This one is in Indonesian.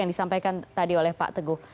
yang disampaikan tadi oleh pak teguh